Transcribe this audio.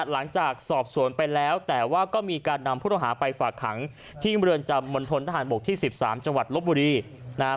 หลังจากสอบสวนไปแล้วแต่ว่าก็มีการนำผู้ต้องหาไปฝากขังที่เมืองจำมณฑนทหารบกที่๑๓จังหวัดลบบุรีนะครับ